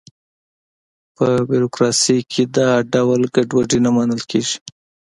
په بروکراسي کې دا ډول ګډوډي نه منل کېږي.